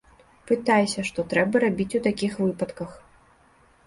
Пытайся, што трэба рабіць у такіх выпадках.